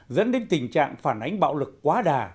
dẫn đến tình trạng phản ánh bạo lực quá đà